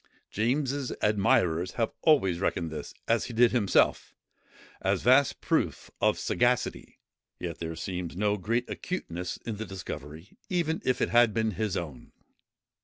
James's admirers have always reckoned this, as he did himself, a vast proof of sagacity: yet there seems no great acuteness in the discovery, even if it had been his own.